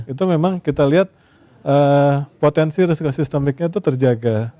itu memang kita lihat potensi risiko sistemiknya itu terjaga